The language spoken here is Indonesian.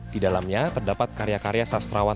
di dalamnya terdapat karya karya sastrawan